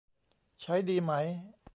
ใช้ดีไหม